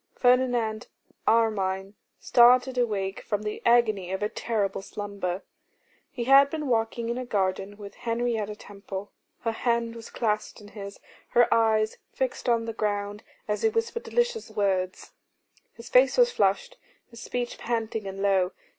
Ferdinand Armine started awake from the agony of a terrible slumber. He had been walking in a garden with Henrietta Temple, her hand was clasped in his, her eyes fixed on the ground, as he whispered delicious words. His face was flushed, his speech panting and low.